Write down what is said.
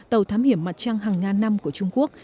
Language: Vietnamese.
tàu thám hiểm mặt trăng hàng ngàn năm của trung quốc